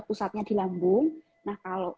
pusatnya di lambung nah kalau